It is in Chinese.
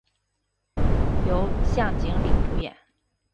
由向井理主演。